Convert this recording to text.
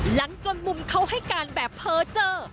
จนมุมเขาให้การแบบเพ้อเจอ